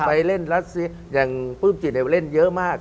ไปเล่นรัสเซียอย่างปลื้มจิตเล่นเยอะมาก